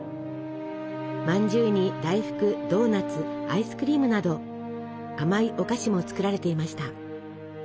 まんじゅうに大福ドーナツアイスクリームなど甘いお菓子も作られていました。